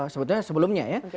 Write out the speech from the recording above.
sebetulnya sebelumnya ya